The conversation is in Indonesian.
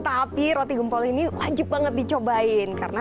tapi roti gempol ini wajib banget dicobain